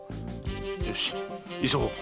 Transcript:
よし急ごう。